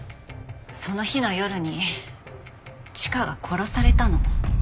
その日の夜にチカが殺されたの。